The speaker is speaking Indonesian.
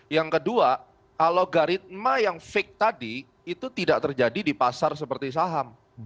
yang kedua alogaritma yang fix tadi itu tidak terjadi di pasar seperti saham